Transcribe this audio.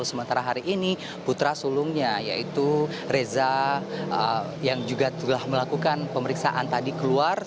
sementara hari ini putra sulungnya yaitu reza yang juga telah melakukan pemeriksaan tadi keluar